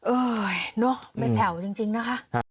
โอ๊ยเป็นแผ่วจริงนะคะ